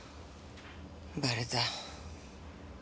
バレた？